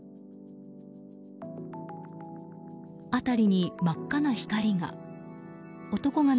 辺りに真っ赤な光が。